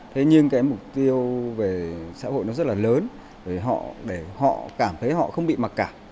thế nhưng cái mục tiêu về xã hội nó rất là lớn để họ cảm thấy họ không bị mặc cảm